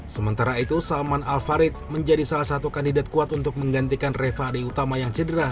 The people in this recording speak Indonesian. sementara itu salman al farid menjadi salah satu kandidat kuat untuk menggantikan reva ade utama yang cedera